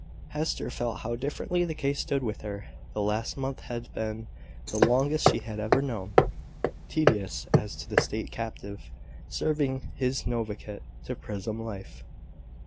Hester felt how differently the case stood with her. The last month had been the longest she had ever known, tedious as to the state captive, serving his noviciate to prison life.